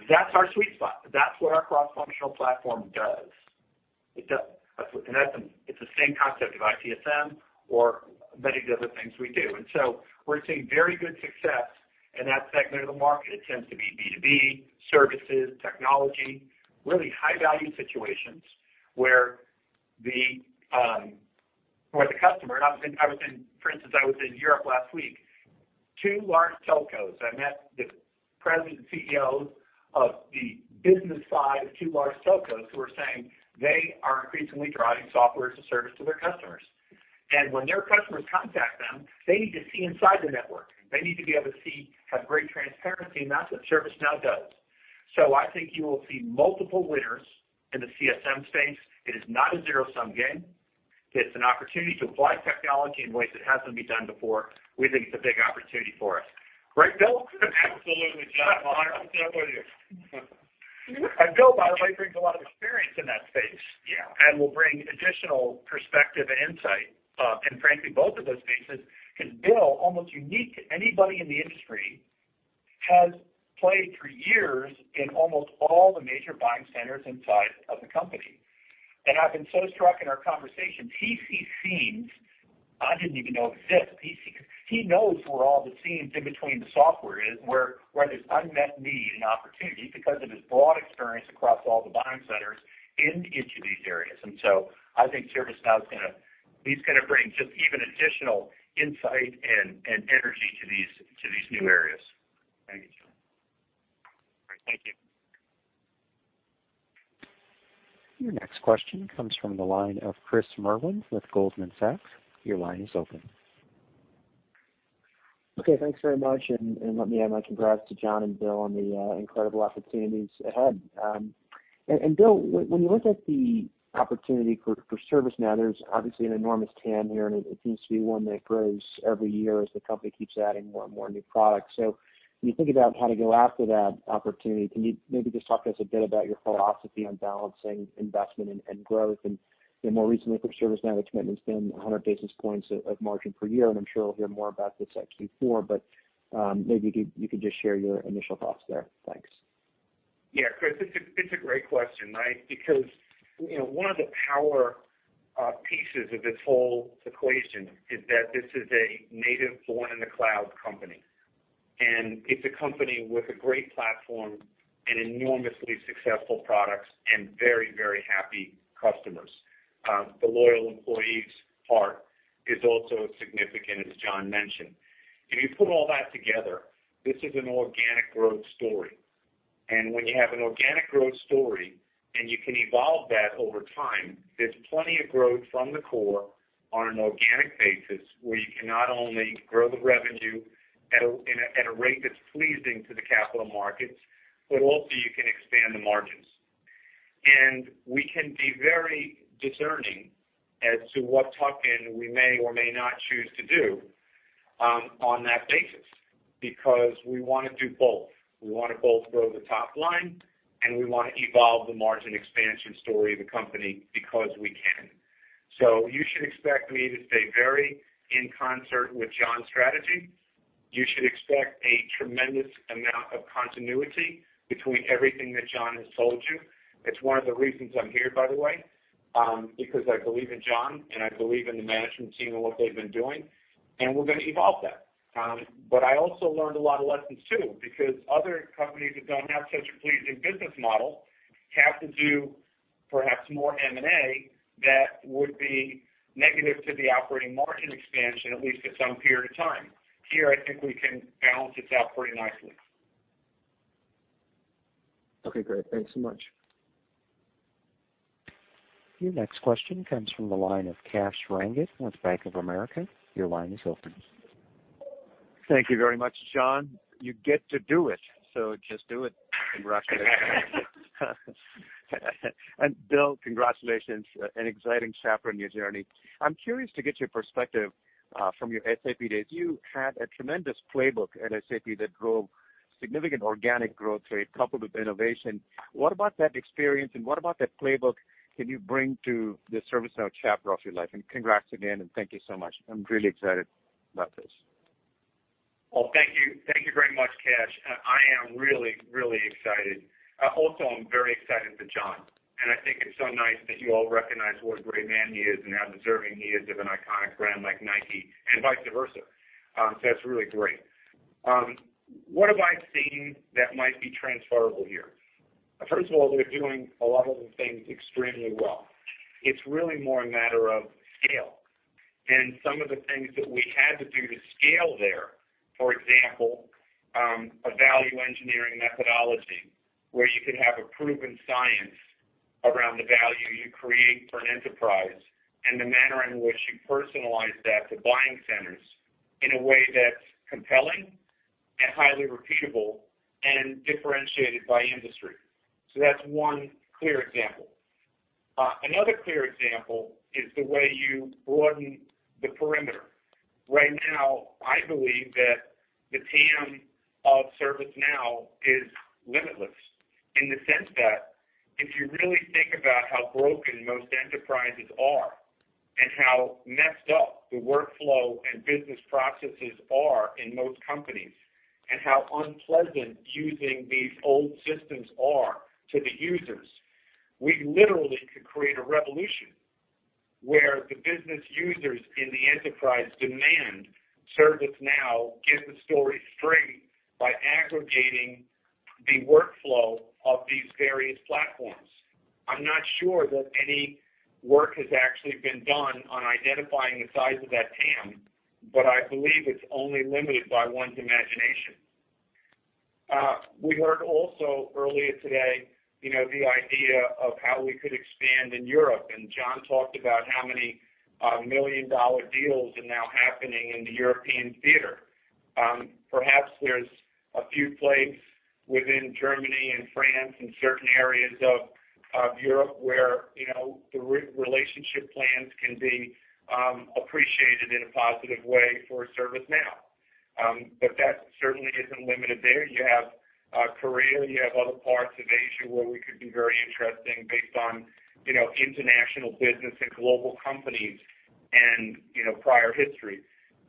That's our sweet spot. That's what our cross-functional platform does. It's the same concept of ITSM or many of the other things we do. We're seeing very good success in that segment of the market. It tends to be B2B, services, technology, really high-value situations. For instance, I was in Europe last week. Two large telcos. I met the president and CEOs of the business side of two large telcos who are saying they are increasingly driving software as a service to their customers. When their customers contact them, they need to see inside the network. They need to be able to have great transparency, and that's what ServiceNow does. I think you will see multiple winners in the CSM space. It is not a zero-sum game. It's an opportunity to apply technology in ways that hasn't been done before. We think it's a big opportunity for us. Right, Bill? Absolutely, John. I'm right there with you. Bill, by the way, brings a lot of experience in that space. Yeah. Will bring additional perspective and insight. Frankly, both of those spaces, because Bill, almost unique to anybody in the industry, has played for years in almost all the major buying centers inside of the company. I've been so struck in our conversations, he sees seams I didn't even know exist. He knows where all the seams in between the software is, and where there's unmet need and opportunity because of his broad experience across all the buying centers into these areas. I think he's going to bring just even additional insight and energy to these new areas. Thank you, John. All right. Thank you. Your next question comes from the line of Chris Merwin with Goldman Sachs. Your line is open. Okay, thanks very much. Let me add my congrats to John and Bill on the incredible opportunities ahead. Bill, when you look at the opportunity for ServiceNow, there's obviously an enormous TAM here. It seems to be one that grows every year as the company keeps adding more and more new products. When you think about how to go after that opportunity, can you maybe just talk to us a bit about your philosophy on balancing investment and growth and, more recently for ServiceNow, the commitment's been 100 basis points of margin per year. I'm sure we'll hear more about this at Q4. Maybe you could just share your initial thoughts there. Thanks. Yeah, Chris, it's a great question, right? Because one of the power pieces of this whole equation is that this is a native born-in-the-cloud company. It's a company with a great platform and enormously successful products and very happy customers. The loyal employees part is also significant, as John mentioned. If you put all that together, this is an organic growth story. When you have an organic growth story, and you can evolve that over time, there's plenty of growth from the core on an organic basis, where you can not only grow the revenue at a rate that's pleasing to the capital markets, but also you can expand the margins. We can be very discerning as to what tuck-in we may or may not choose to do on that basis, because we want to do both. We want to both grow the top line, and we want to evolve the margin expansion story of the company because we can. You should expect me to stay very in concert with John's strategy. You should expect a tremendous amount of continuity between everything that John has told you. It's one of the reasons I'm here, by the way, because I believe in John, and I believe in the management team and what they've been doing, and we're going to evolve that. I also learned a lot of lessons, too, because other companies that don't have such a pleasing business model have to do perhaps more M&A that would be negative to the operating margin expansion, at least at some period of time. Here, I think we can balance this out pretty nicely. Okay, great. Thanks so much. Your next question comes from the line of Kash Rangan with Bank of America. Your line is open. Thank you very much, John. You get to do it, so just do it. Congratulations. Bill, congratulations. An exciting chapter in your journey. I'm curious to get your perspective from your SAP days. You had a tremendous playbook at SAP that drove significant organic growth rate coupled with innovation. What about that experience, what about that playbook can you bring to the ServiceNow chapter of your life? Congrats again, and thank you so much. I'm really excited about this. Well, thank you. Thank you very much, Kash. I am really excited. Also, I'm very excited for John, and I think it's so nice that you all recognize what a great man he is and how deserving he is of an iconic brand like Nike, and vice versa. That's really great. What have I seen that might be transferable here? First of all, they're doing a lot of the things extremely well. It's really more a matter of scale and some of the things that we had to do to scale there. For example, a value engineering methodology where you could have a proven science around the value you create for an enterprise, and the manner in which you personalize that to buying centers in a way that's compelling and highly repeatable and differentiated by industry. That's one clear example. Another clear example is the way you broaden the perimeter. Right now, I believe that the TAM of ServiceNow is limitless in the sense that if you really think about how broken most enterprises are, and how messed up the workflow and business processes are in most companies, and how unpleasant using these old systems are to the users, we literally could create a revolution. Where the business users in the enterprise demand ServiceNow get the story straight by aggregating the workflow of these various platforms. I'm not sure that any work has actually been done on identifying the size of that TAM, but I believe it's only limited by one's imagination. We heard also earlier today the idea of how we could expand in Europe, and John talked about how many million-dollar deals are now happening in the European theater. Perhaps there's a few plays within Germany and France and certain areas of Europe where the relationship plans can be appreciated in a positive way for ServiceNow. That certainly isn't limited there. You have Korea, you have other parts of Asia where we could be very interesting based on international business and global companies and prior history.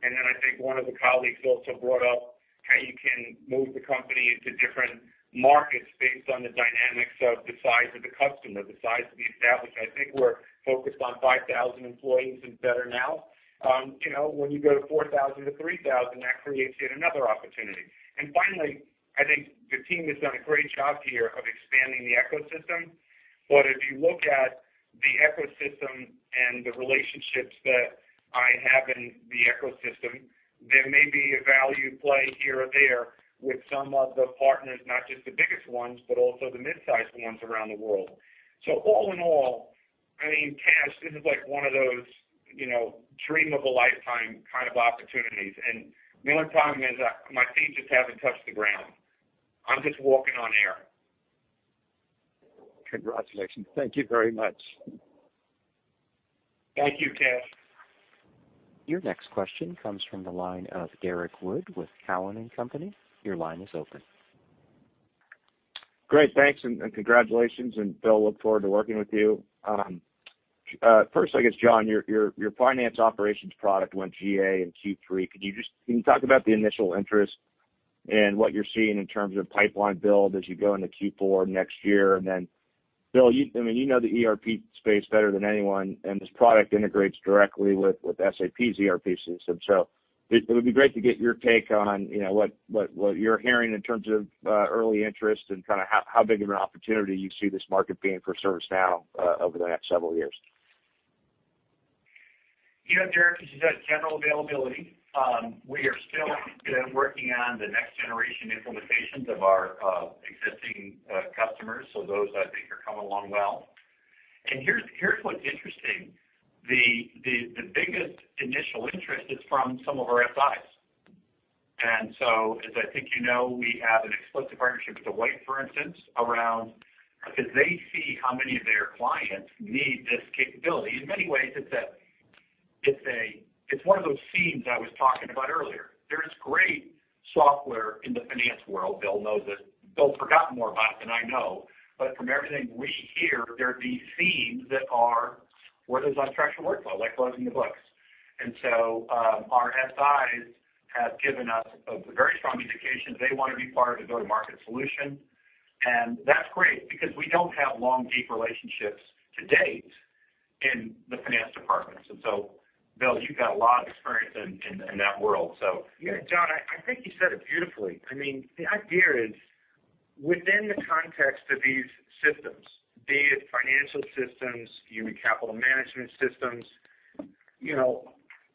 I think one of the colleagues also brought up how you can move the company into different markets based on the dynamics of the size of the customer, the size of the establishment. I think we're focused on 5,000 employees and better now. When you go to 4,000 to 3,000, that creates yet another opportunity. Finally, I think the team has done a great job here of expanding the ecosystem. If you look at the ecosystem and the relationships that I have in the ecosystem, there may be a value play here or there with some of the partners, not just the biggest ones, but also the mid-sized ones around the world. All in all, Kash, this is one of those dream of a lifetime kind of opportunities, and the only problem is my feet just haven't touched the ground. I'm just walking on air. Congratulations. Thank you very much. Thank you, Kash. Your next question comes from the line of Derrick Wood with Cowen and Company. Your line is open. Great. Thanks, and congratulations, and Bill, look forward to working with you. First, I guess, John, your finance operations product went GA in Q3. Can you talk about the initial interest and what you're seeing in terms of pipeline build as you go into Q4 next year? Bill, you know the ERP space better than anyone, and this product integrates directly with SAP's ERP system. It would be great to get your take on what you're hearing in terms of early interest and how big of an opportunity you see this market being for ServiceNow over the next several years. Yeah, Derrick, as you said, general availability. We are still working on the next-generation implementations of our existing customers, so those, I think, are coming along well. Here's what's interesting. The biggest initial interest is from some of our SIs. As I think you know, we have an explicit partnership with Deloitte, for instance, because they see how many of their clients need this capability. In many ways, it's one of those seams I was talking about earlier. There is great software in the finance world. Bill knows this. Bill's probably got more about it than I know. From everything we hear, there are these seams that are where there's unstructured workflow, like closing the books. Our SIs have given us a very strong indication they want to be part of the go-to-market solution. That's great because we don't have long, deep relationships to date in the finance departments. Bill, you've got a lot of experience in that world. Yeah, John, I think you said it beautifully. The idea is within the context of these systems, be it financial systems, human capital management systems,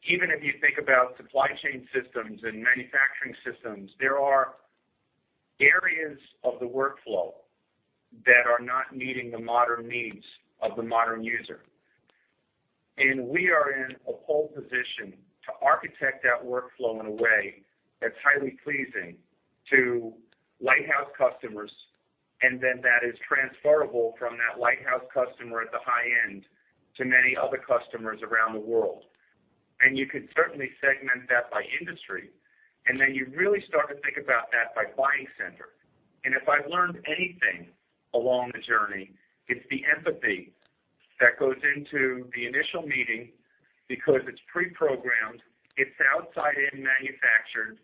even if you think about supply chain systems and manufacturing systems, there are areas of the workflow that are not meeting the modern needs of the modern user. We are in a pole position to architect that workflow in a way that's highly pleasing to lighthouse customers, and then that is transferable from that lighthouse customer at the high end to many other customers around the world. You could certainly segment that by industry. Then you really start to think about that by buying center. If I've learned anything along the journey, it's the empathy that goes into the initial meeting because it's pre-programmed, it's outside-in manufactured,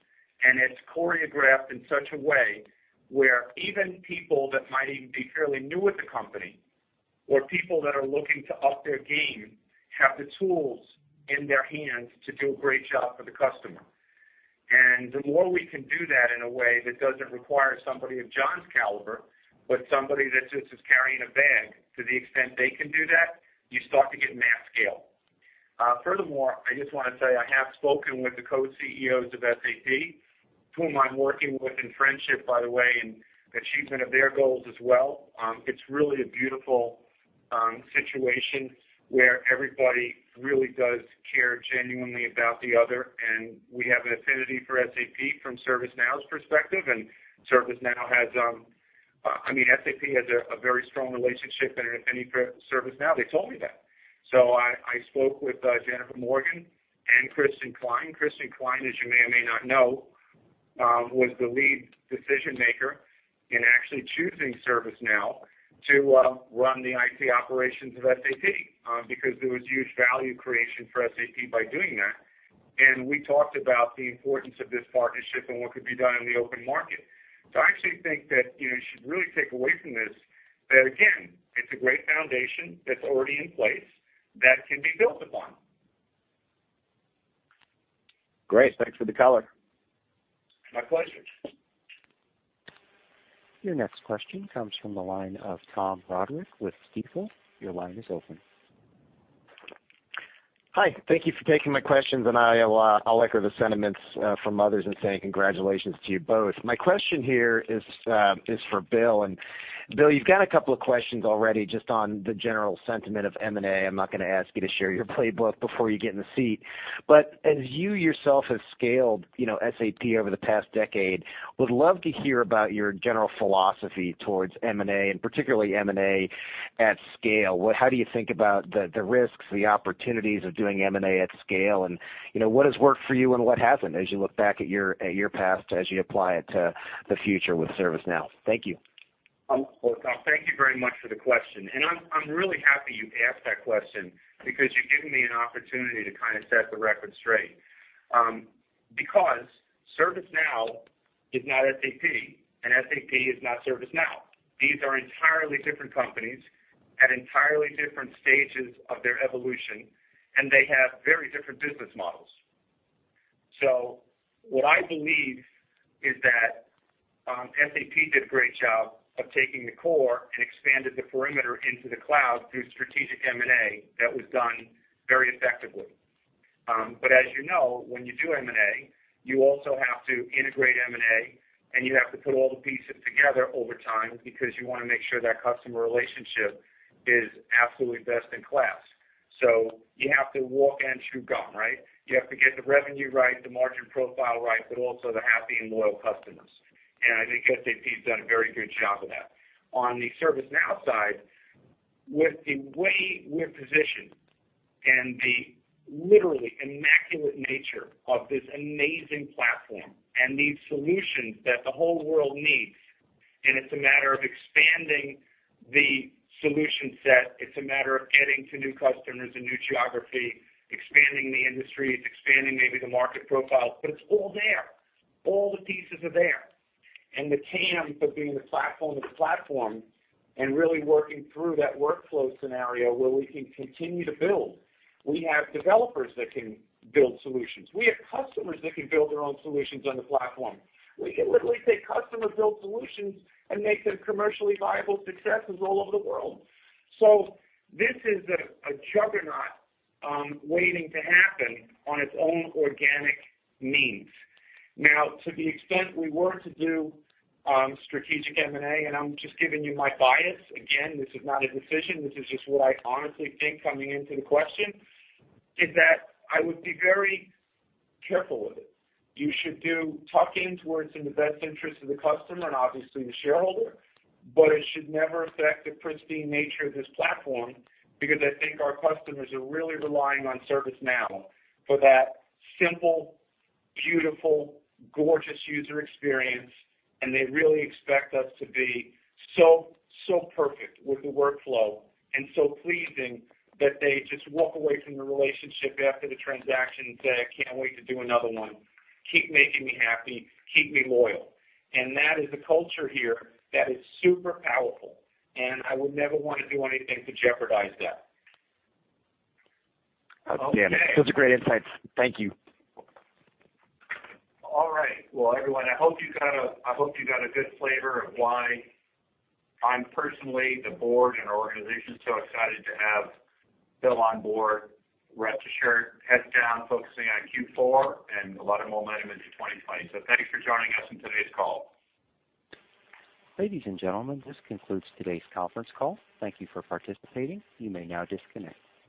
and it's choreographed in such a way where even people that might even be fairly new at the company or people that are looking to up their game have the tools in their hands to do a great job for the customer. The more we can do that in a way that doesn't require somebody of John's caliber, but somebody that just is carrying a bag, to the extent they can do that, you start to get mass scale. Furthermore, I just want to say I have spoken with the Co-CEOs of SAP, whom I'm working with in friendship, by the way, in achievement of their goals as well. It's really a beautiful situation where everybody really does care genuinely about the other, and we have an affinity for SAP from ServiceNow's perspective, and SAP has a very strong relationship and an affinity for ServiceNow. They told me that. I spoke with Jennifer Morgan and Christian Klein. Christian Klein, as you may or may not know, was the lead decision-maker in actually choosing ServiceNow to run the IT operations of SAP, because there was huge value creation for SAP by doing that. We talked about the importance of this partnership and what could be done in the open market. I actually think that you should really take away from this, that again, it's a great foundation that's already in place that can be built upon. Great. Thanks for the color. My pleasure. Your next question comes from the line of Tom Roderick with Stifel. Your line is open. Hi. Thank you for taking my questions. I'll echo the sentiments from others in saying congratulations to you both. My question here is for Bill. Bill, you've got a couple of questions already just on the general sentiment of M&A. I'm not going to ask you to share your playbook before you get in the seat. As you yourself have scaled SAP over the past decade, would love to hear about your general philosophy towards M&A, and particularly M&A at scale. How do you think about the risks, the opportunities of doing M&A at scale, and what has worked for you and what hasn't, as you look back at your past, as you apply it to the future with ServiceNow? Thank you. Well, Tom, thank you very much for the question. I'm really happy you asked that question because you've given me an opportunity to kind of set the record straight. ServiceNow is not SAP, and SAP is not ServiceNow. These are entirely different companies at entirely different stages of their evolution, and they have very different business models. What I believe is that SAP did a great job of taking the core and expanded the perimeter into the cloud through strategic M&A that was done very effectively. As you know, when you do M&A, you also have to integrate M&A, and you have to put all the pieces together over time because you want to make sure that customer relationship is absolutely best in class. You have to walk and chew gum, right? You have to get the revenue right, the margin profile right, but also the happy and loyal customers. I think SAP's done a very good job of that. On the ServiceNow side, with the way we're positioned and the literally immaculate nature of this amazing Now Platform and these solutions that the whole world needs, it's a matter of expanding the solution set, it's a matter of getting to new customers and new geography, expanding the industries, expanding maybe the market profiles, it's all there. All the pieces are there. The TAM of being the Now Platform of platforms and really working through that workflow scenario where we can continue to build. We have developers that can build solutions. We have customers that can build their own solutions on the Now Platform. We can literally take customer-built solutions and make them commercially viable successes all over the world. This is a juggernaut waiting to happen on its own organic means. Now, to the extent we were to do strategic M&A, and I'm just giving you my bias, again, this is not a decision, this is just what I honestly think coming into the question, is that I would be very careful with it. You should do tuck-ins where it's in the best interest of the customer and obviously the shareholder, but it should never affect the pristine nature of this platform, because I think our customers are really relying on ServiceNow for that simple, beautiful, gorgeous user experience, and they really expect us to be so perfect with the workflow and so pleasing that they just walk away from the relationship after the transaction and say, "I can't wait to do another one. Keep making me happy. Keep me loyal." That is the culture here that is super powerful, and I would never want to do anything to jeopardize that. Okay. Those are great insights. Thank you. All right. Well, everyone, I hope you got a good flavor of why I'm personally, the board, and our organization's so excited to have Bill on board. We're at the start and heads down focusing on Q4 and a lot of momentum into 2020. Thanks for joining us on today's call. Ladies and gentlemen, this concludes today's conference call. Thank you for participating. You may now disconnect.